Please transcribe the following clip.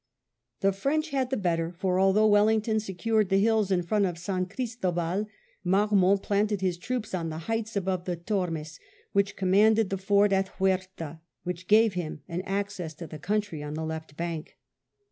The French had the better, for although Wellington secured the hills in front of San Christoval, Marmont planted his troops on the heights above the Tonnes which commanded the ford at Huerta, which gave him an access to the country on the left bank.